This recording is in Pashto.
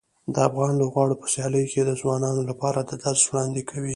د افغان لوبغاړو په سیالیو کې د ځوانانو لپاره د درس وړاندې کوي.